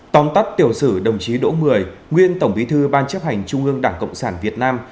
tóm tắt tiểu sử đồng chí đỗ mười nguyên tổng bí thư ban chấp hành trung ương đảng cộng sản việt nam